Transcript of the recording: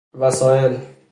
وسائل